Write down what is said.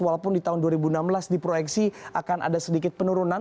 walaupun di tahun dua ribu enam belas diproyeksi akan ada sedikit penurunan